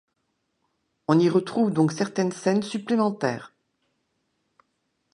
On y retrouve donc certaines scènes supplémentaires.